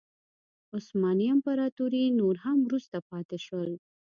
عثماني امپراتوري نور هم وروسته پاتې شول.